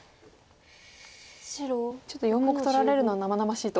ちょっと４目取られるのは生々しいと。